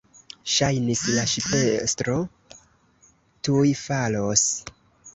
Ŝajnis, la ŝipestro tuj falos.